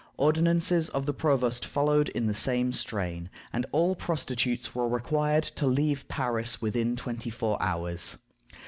Ordinances of the provost followed in the same strain, and all prostitutes were required to leave Paris within twenty four hours.